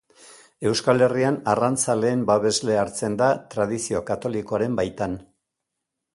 Euskal Herrian arrantzaleen babesle hartzen da tradizio katolikoaren baitan.